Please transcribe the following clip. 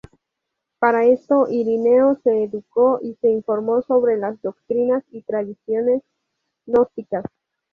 Para esto, Ireneo se educó y se informó sobre las doctrinas y tradiciones gnósticas.